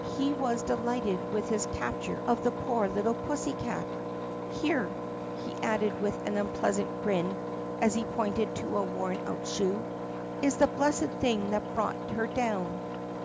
He was delighted with his capture of the poor little pussycat. "Here," he added with an unpleasant grin as he pointed to a worn out shoe, "is the blessed thing that brought her down."